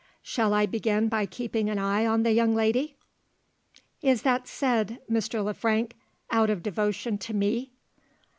Shall I begin by keeping an eye on the young lady?" "Is that said, Mr. Le Frank, out of devotion to me?"